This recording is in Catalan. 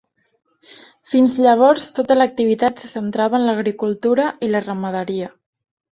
Fins llavors tota l'activitat se centrava en l'agricultura i la ramaderia.